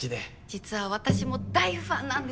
実は私も大ファンなんです！